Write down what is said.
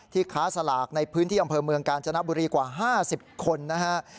ค้าสลากในพื้นที่อำเภอเมืองกาญจนบุรีกว่า๕๐คนนะฮะ